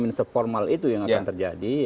mungkin seformal itu yang akan terjadi